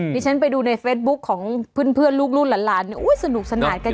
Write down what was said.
ที่ฉันไปดูในเฟซบุ๊คของเพื่อนลูกหลานสนุกสนานกัน